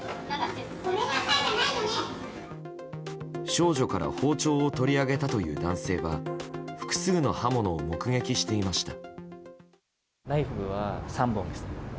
少女から包丁を取り上げたという男性は複数の刃物を目撃していました。